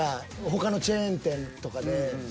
他のチェーン店とかで。